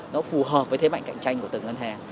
nó phù hợp với thế mạnh cạnh tranh của từng ngân hàng